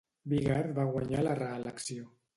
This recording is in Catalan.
Biggert va guanyar la reelecció.